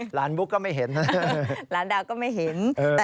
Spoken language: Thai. บุ๊กก็ไม่เห็นหลานดาวก็ไม่เห็น